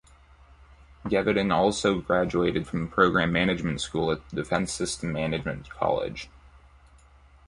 Geveden also graduated from the Program Management School at the Defense Systems Management College.